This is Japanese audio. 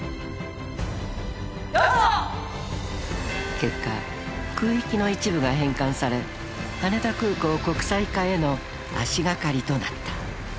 ［結果空域の一部が返還され羽田空港国際化への足掛かりとなった］